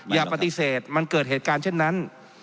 อย่าปฏิเสธมันเกิดเหตุการณ์เช่นนั้น